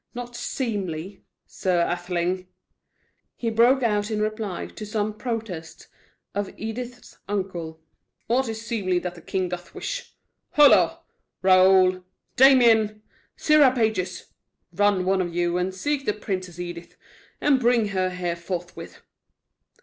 'Not seemly'? Sir Atheling," he broke out in reply to some protest of Edith's uncle. "Aught is seemly that the king doth wish. Holo! Raoul! Damian! sirrah pages! Run, one of you, and seek the Princess Edith, and bring her here forthwith!"